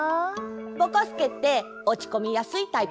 ぼこすけっておちこみやすいタイプ？